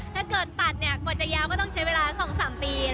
ถ้าเกิดตัดเนี่ยกว่าจะยาวก็ต้องใช้เวลา๒๓ปี